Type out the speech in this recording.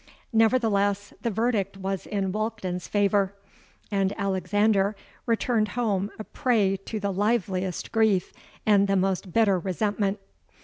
Nevertheless, the verdict was in Walkden's favour; and Alexander returned home a prey to the liveliest grief and the most bitter resentment.